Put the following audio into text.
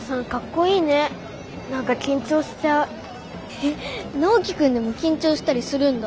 えっナオキ君でも緊張したりするんだ。